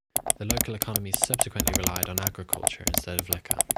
The local economy subsequently relied on agriculture instead of liquor.